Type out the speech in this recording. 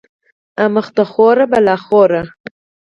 اموخته خور بلا خور